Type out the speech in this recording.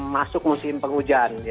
masuk musim penghujan